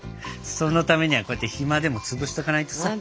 そのためにはこうやって暇でもつぶしとかないとさ。